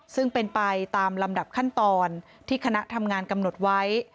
ซึ่งเป็นไปตามลำดับขั้นตอนที่คณะทำงานกำหนดไว้